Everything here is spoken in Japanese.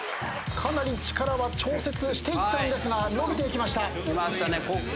かなり力は調節していったんですが伸びていきました。